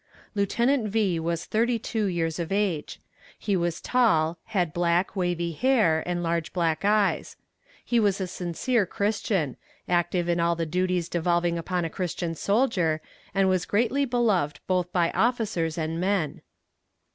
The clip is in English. Lieutenant V. was thirty two years of age; he was tall, had black wavy hair, and large black eyes. He was a sincere christian, active in all the duties devolving upon a christian soldier, and was greatly beloved both by officers and men.